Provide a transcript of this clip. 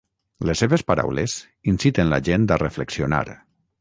Les seves paraules inciten la gent a reflexionar.